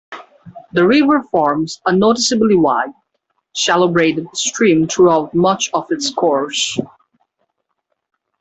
The river forms a noticeably wide, shallow braided stream throughout much of its course.